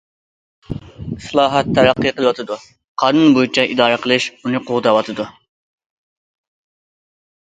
ئىسلاھات تەرەققىي قىلىۋاتىدۇ، قانۇن بويىچە ئىدارە قىلىش ئۇنى قوغداۋاتىدۇ.